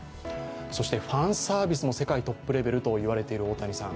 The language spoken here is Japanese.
そしてファンサービスも世界トップレベルと言われている大谷さん。